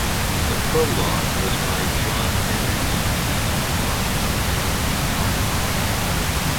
The prologue was by John Dennis and the epilogue by George Farquhar.